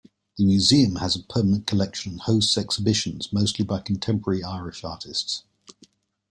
The museum has a permanent collection and hosts exhibitions, mostly by contemporary Irish artists.